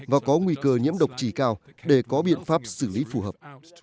và có nguy cơ nhiễm độc trì cao để có biện pháp xử lý phù hợp